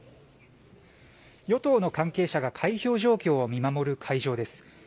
与党の関係者が開票状況を見守る会場です。